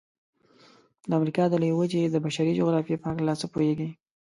د امریکا د لویې وچې د بشري جغرافیې په هلکه څه پوهیږئ؟